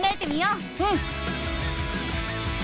うん。